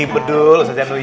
bedul ustazah nuyuy